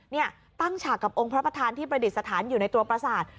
นี่ตั้งฉากกับองค์พระประธานที่ประดิษฐานอยู่ในตัวประสาท